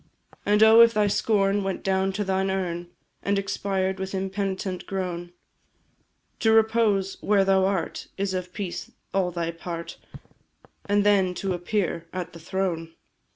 And oh! if thy scorn went down to thine urn And expired, with impenitent groan; To repose where thou art is of peace all thy part, And then to appear at the Throne!